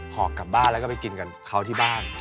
หอบกลับบ้านแล้วก็ไปกินกับเขาที่บ้าน